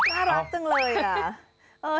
น่ารักจังเลยนะ